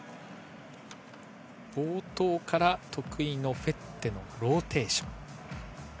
冒頭から得意のフェッテのローテーション。